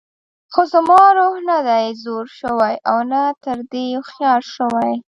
خو زما روح نه دی زوړ شوی او نه تر دې هوښیار شوی.